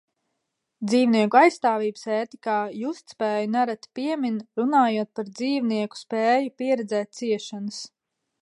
Dzīvnieku aizstāvības ētikā justspēju nereti piemin, runājot par dzīvnieku spēju pieredzēt ciešanas.